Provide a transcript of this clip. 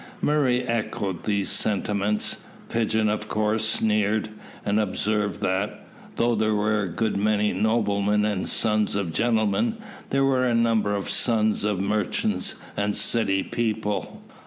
Murray echoed these sentiments. Pigeon of course sneered, and observed that, "though there were a good many noblemen, and sons of gentlemen, there were a number of sons of merchants and city people."